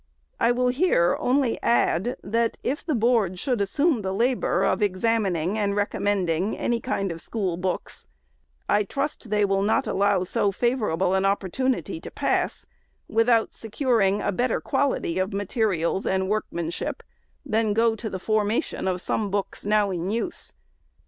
I will here only add, that if the Board should assume the labor of examining and recommending any kind of school books, I trust they will not allow so favorable an opportunity to pass, without securing a better quality of materials and workmanship than go to the formation of some books now in use.